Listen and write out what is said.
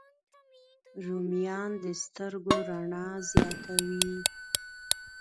رومیان د سترګو رڼا زیاتوي